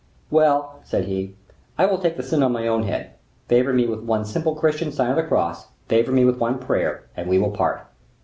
"Well," said he, "I will take the sin on my own head, favor me with one simple Christian sign of the cross, favor me with one prayer, and we will part."